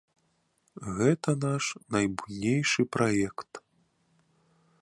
Гэта наш найбуйнейшы праект.